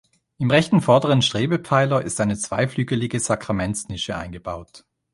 Im rechten vorderen Strebepfeiler ist eine zweiflügelige Sakramentsnische eingebaut.